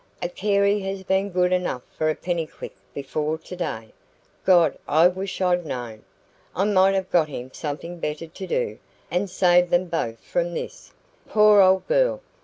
A Carey has been good enough for a Pennycuick before today. God! I wish I'd known. I might have got him something better to do, and saved them both from this. Poor old girl!